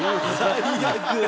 最悪。